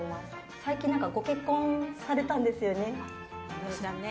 最近、ご結婚されたんですよね。